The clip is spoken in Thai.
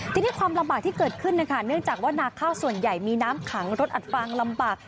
ทีนี้ความลำบากที่เกิดขึ้นนะคะเนื่องจากว่านาข้าวส่วนใหญ่มีน้ำขังรถอัดฟางลำบาก